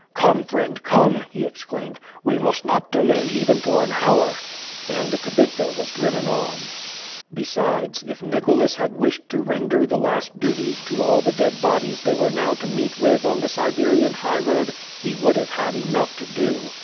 "Come, friend, come!" he exclaimed, "we must not delay, even for an hour!" And the kibitka was driven on. Besides, if Nicholas had wished to render the last duties to all the dead bodies they were now to meet with on the Siberian highroad, he would have had enough to do!